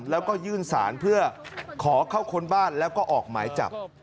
แล้วก็ยื่นสารเพื่อขอเข้าค้นบ้านแล้วก็ออกหมายจับ